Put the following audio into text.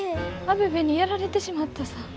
アベベにやられてしまったさぁ。